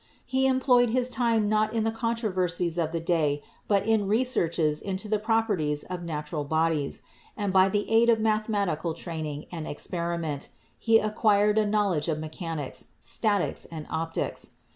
He employed his time not in the controversies of the day, but in re searches into the properties of natural bodies, and by the aid of mathematical training and experiment he acquired a knowledge of mechanics, statics and optics.